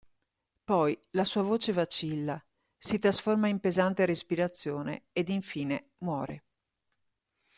Poi la sua voce vacilla, si trasforma in pesante respirazione ed infine muore.